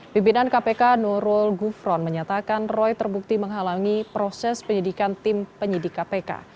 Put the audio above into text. pimpinan kpk nurul gufron menyatakan roy terbukti menghalangi proses penyidikan tim penyidik kpk